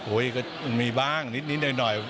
ก็มีบ้างนิดหน่อย